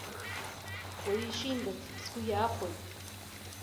Уаҩы ишимбац сгәы иаахәоит.